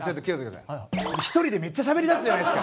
１人でめっちゃしゃべりだすじゃないですか。